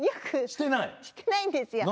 してないんですよ。